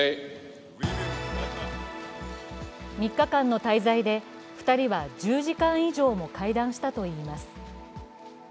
３日間の滞在で２人は１０時間以上も会談したといいます。